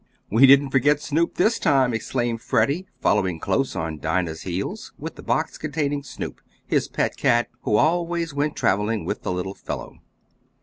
"We didn't forget Snoop this time," exclaimed Freddie, following close on Dinah's heels, with the box containing Snoop, his pet cat, who always went traveling with the little fellow.